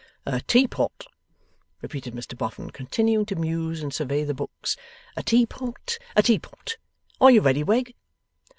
'A Teapot,' repeated Mr Boffin, continuing to muse and survey the books; 'a Teapot, a Teapot. Are you ready, Wegg?